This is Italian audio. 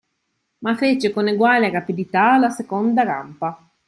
Ma fece con eguale rapidità la seconda rampa.